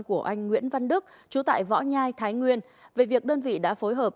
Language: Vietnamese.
của anh nguyễn văn đức chú tại võ nhai thái nguyên về việc đơn vị đã phối hợp